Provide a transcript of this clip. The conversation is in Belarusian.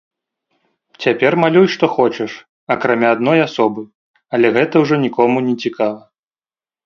Цяпер малюй што хочаш, акрамя адной асобы, але гэта ўжо нікому нецікава.